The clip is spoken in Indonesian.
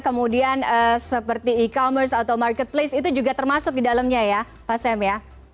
kemudian seperti e commerce atau marketplace itu juga termasuk di dalamnya ya pak sam ya